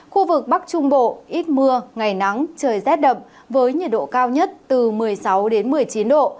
khu vực bắc trung bộ ít mưa ngày nắng trời rét đậm với nhiệt độ cao nhất từ một mươi sáu đến một mươi chín độ